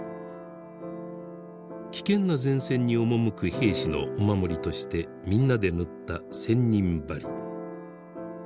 危険な前線に赴く兵士のお守りとしてみんなで縫った千人針。